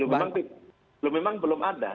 belum memang belum ada